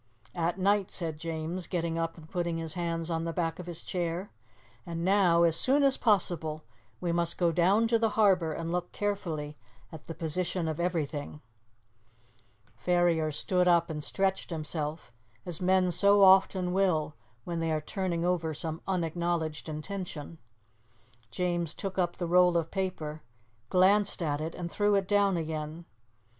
"At night," said James, getting up and putting his hands on the back of his chair. "And now, as soon as possible, we must go down to the harbour and look carefully at the position of everything." Ferrier stood up and stretched himself, as men so often will when they are turning over some unacknowledged intention. James took up the roll of paper, glanced at it and threw it down again.